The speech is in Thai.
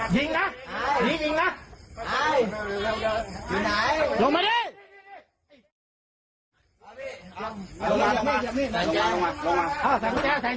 นี่มินิ้งออกแท้กูนิ้งจริง